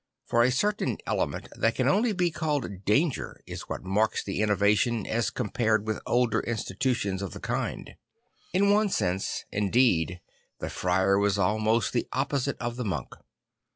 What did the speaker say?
For a certain element that can only be called danger is what marks the innovation as compared with older institutions of the kind. In one sense indeed the friar was almost the opposite of the monk.